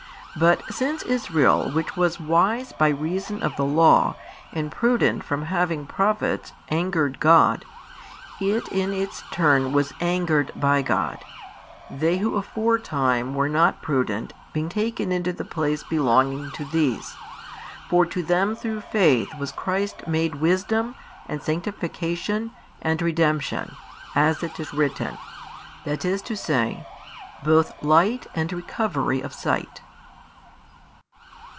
But since Israel which was wise by reason of the law and prudent from having Prophets angered [God], it in its turn was angered by God, they who aforetime were not prudent being taken into the place belonging to these, for to them through faith was Christ made wisdom and sanctification and redemption, as it is written, i. e., both light and recovery of sight.